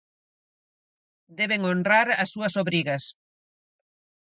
Deben honrar as súas obrigas.